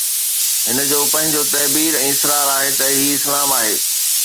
هن جو پنهنجو تعبير ۽ اصرار آهي ته هي اسلام آهي.